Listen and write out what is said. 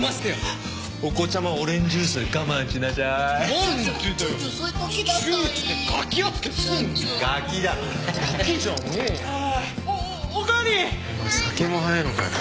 お前酒も早いのかよ。